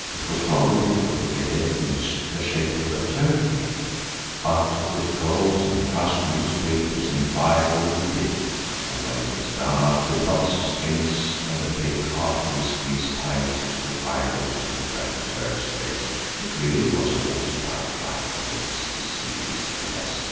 It was rather difficult to get anything the shape of a turkey but with coals and crushed newspapers and firewood we did it, and when it was done up with lots of string and the paper artfully squeezed tight to the firewood to look like the Turk's legs it really was almost lifelike in its deceivingness.